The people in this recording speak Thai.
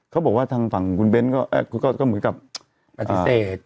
เขาบอกว่าทางฝั่งกุลเบ้นก็เอ่อก็ก็เหมือนกับอ่าปฏิเสธ